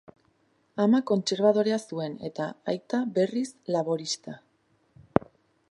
Ama kontserbadorea zuen eta aita, berriz, laborista.